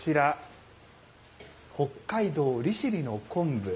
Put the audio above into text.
北海道利尻の昆布。